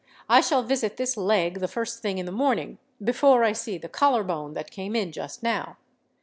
I shall visit this Leg the first thing in the morning, before I see the Collar Bone that came in just now.